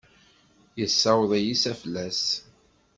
Yessaweḍ-iyi s aflas.